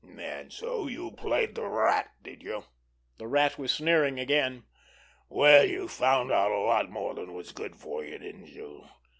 "And so you played the Rat, did you?" The Rat was sneering again. "Well, you found out a lot more than was good for you, didn't you?